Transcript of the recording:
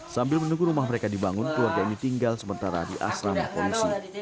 sambil menunggu rumah mereka dibangun keluarga ini tinggal sementara di asrama polisi